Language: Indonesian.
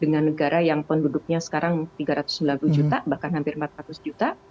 dengan negara yang penduduknya sekarang tiga ratus sembilan puluh juta bahkan hampir empat ratus juta